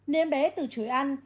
nên bé từ chối ăn